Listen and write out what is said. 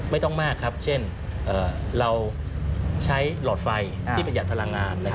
ไม่ต้องมากครับเช่นเราใช้หลอดไฟที่ประหยัดพลังงาน